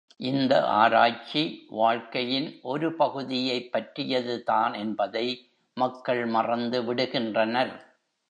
இந்த ஆராய்ச்சி, வாழ்க்கையின் ஒரு பகுதியைப் பற்றியதுதான் என்பதை மக்கள் மறந்து விடுகின்றனர்.